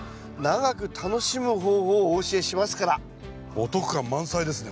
お得感満載ですね